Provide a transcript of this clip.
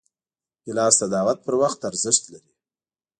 ګیلاس د دعوت پر وخت ارزښت لري.